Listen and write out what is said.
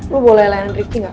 lo boleh land ricky gak